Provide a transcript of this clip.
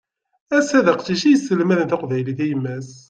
Ass-a d aqcic i isselmaden taqbaylit i yemma-s.